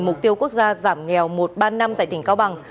mục tiêu quốc gia giảm nghèo một ban năm tại tỉnh cao bằng